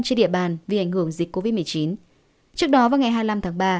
trên địa bàn vì ảnh hưởng dịch covid một mươi chín trước đó vào ngày hai mươi năm tháng ba